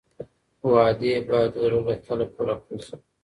وعدې باید د زړه له تله پوره کړل شي.